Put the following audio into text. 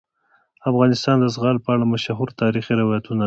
افغانستان د زغال په اړه مشهور تاریخی روایتونه لري.